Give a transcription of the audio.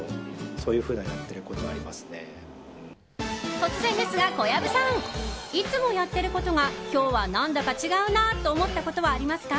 突然ですが小籔さんいつもやってることが今日は何だか違うなと思ったことはありますか？